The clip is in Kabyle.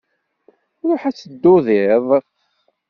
Ṛuḥ ad teddudiḍ!